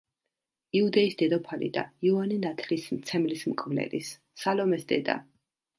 იუდეის დედოფალი და იოანე ნათლისმცემლის მკვლელის, სალომეს დედა.